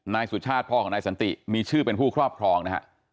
นายสุชาติพ่อของนายสนติมีชื่อผู้ครอบครอง